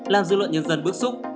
làm dư luận nhân dân bức xúc